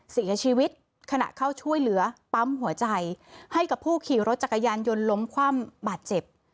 เสียชีวิตขณะเข้าช่วยเหลือปั๊มหัวใจให้กับผู้ขี่รถจักรยานยนต์ล้มคว่ำบาดเจ็บ